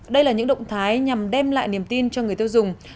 đây là những động thái nhằm đem lại niềm tin cho người tiêu dùng